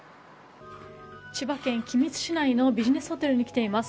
千葉県君津市内のビジネスホテルに来ています。